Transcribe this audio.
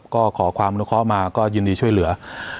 ก็ขอความรู้ข้อมาก็ยินดีช่วยเหลือ